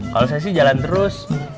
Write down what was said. kalau saya sih jalan terus